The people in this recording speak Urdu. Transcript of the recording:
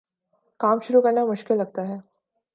کام شروع کرنا مشکل لگتا ہے